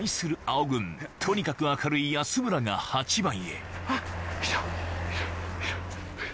青軍とにかく明るい安村が８番へあっ！